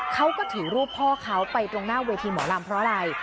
เขาก็ถือรูปพ่อเขาไปตรงหน้าเวทีหมอลำเพราะอะไร